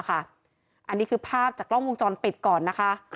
อันนี้คือภาพจากกล้องวงจรปิดก่อนนะคะ